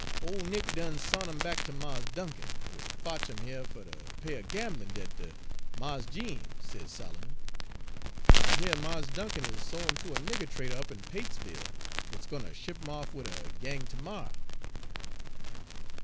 " 'Ole Nick done sont 'im back ter Mars Dunkin, who had fotch 'im heah fer ter pay a gamblin' debt ter Mars Jeems,' sez Solomon, 'en I heahs Mars Dunkin has sol' 'im ter a nigger trader up in Patesville, w'at's gwine ter ship 'im off wid a gang ter morrer.'